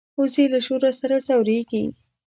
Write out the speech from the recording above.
وزې له شور سره ځورېږي